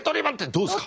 どうですか？